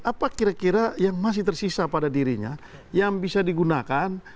apa kira kira yang masih tersisa pada dirinya yang bisa digunakan